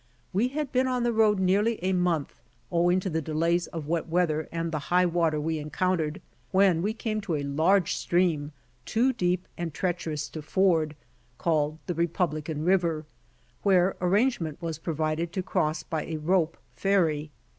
We had been on the road nearly a month, owing to the delays of wet weather and the high water we encountered, when we came to a large stream too deep and treacher ous to ford, called the Republican river, where arrangement was provided to cross by a rope ferry.